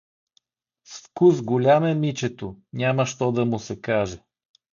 С вкус голям е Мичето, няма що да му се каже.